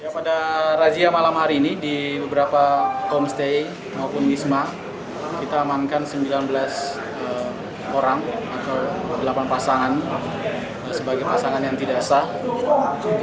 pada razia malam hari ini di beberapa homestay maupun wisma kita amankan sembilan belas orang atau delapan pasangan sebagai pasangan yang tidak sah